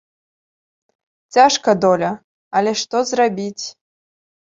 Цяжка доля, але што зрабіць?